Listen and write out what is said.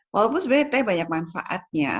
walaupun sebenarnya teh banyak manfaatnya